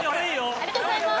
ありがとうございます。